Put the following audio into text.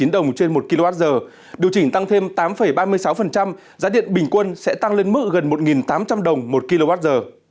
điều chỉnh tăng thêm tám ba mươi sáu giá điện bình quân sẽ tăng lên mức gần một tám trăm linh đồng một kwh